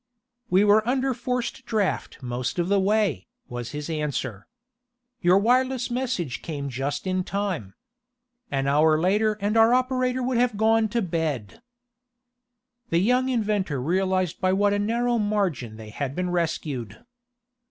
"We were under forced draught most of the way," was his answer. "Your wireless message came just in time. An hour later and our operator would have gone to bed." The young inventor realized by what a narrow margin they had been rescued.